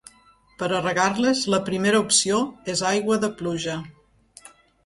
Per a regar-les, la primera opció és aigua de pluja.